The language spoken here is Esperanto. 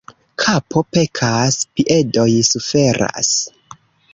Kapo pekas, piedoj suferas.